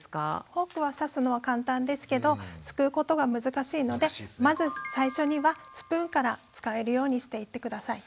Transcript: フォークは刺すのは簡単ですけどすくうことが難しいのでまず最初にはスプーンから使えるようにしていって下さい。